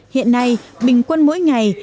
hiện nay bình quân mỗi ngày